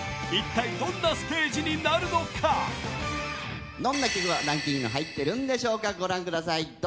一体どんなステージになるのかどんな曲がランキング入ってるんでしょうかご覧ください